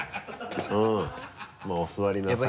うんまぁお座りなさい。